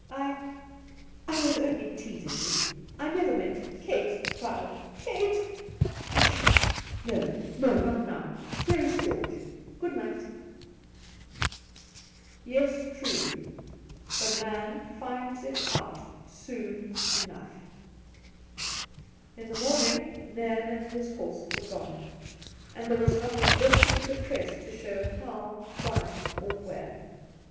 I — I was only teasing you. I never meant '' Kate, child, Kate !'' Hush ! No, no — not now. Here is George. Good night.' Yes, truly I The — man — finds^ — it — out — soon — enough !124 Induna Nairn In the morning Nairn and his horse were gone, and there was not a vestige of a trace to show how, why, or where!